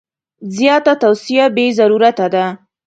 زیاته توصیه بې ضرورته ده.